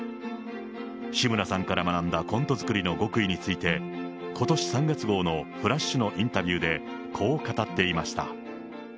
志村さんから学んだコント作りの極意について、ことし３月号のフラッシュのインタビューで、こう語っていました。